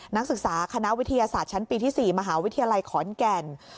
นักศึกษาคณะวิทยาศาสตร์ชั้นปีที่๔มหาวิทยาลัยขอนแก่น